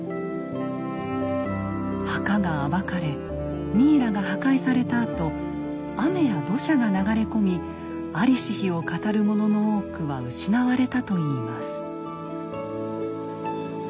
墓が暴かれミイラが破壊されたあと雨や土砂が流れ込み在りし日を語るものの多くは失われたといいます。